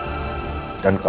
kamu bisa berhubungan dengan al